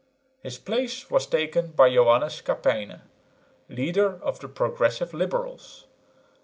His place was taken by Joannes Kappeyne, leader of the progressive liberals.